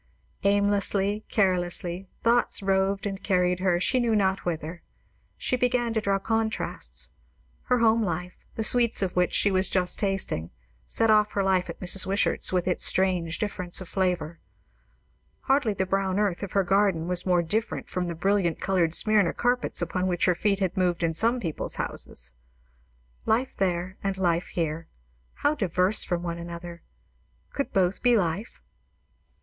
Aimlessly, carelessly, thoughts roved and carried her she knew not whither. She began to draw contrasts. Her home life, the sweets of which she was just tasting, set off her life at Mrs. Wishart's with its strange difference of flavour; hardly the brown earth of her garden was more different from the brilliant coloured Smyrna carpets upon which her feet had moved in some people's houses. Life there and life here, how diverse from one another! Could both be life?